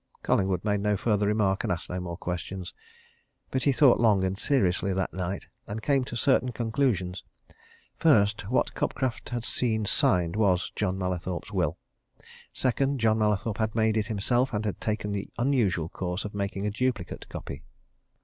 Collingwood made no further remark and asked no more questions. But he thought long and seriously that night, and he came to certain conclusions. First: what Cobcroft had seen signed was John Mallathorpe's will. Second: John Mallathorpe had made it himself and had taken the unusual course of making a duplicate copy.